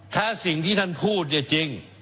ถ้าสิ่งที่ท่านพูดเนี่ยจริง